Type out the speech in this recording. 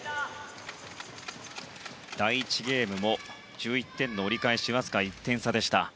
第１ゲームも１１点の折り返しはわずか１点差。